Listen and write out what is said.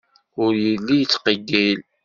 Ur yelli yettqeyyil.